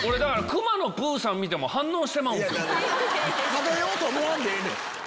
食べようと思わんでええねん。